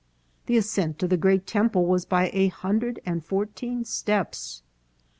" The ascent to the great temple was by a hundred and fourteen steps."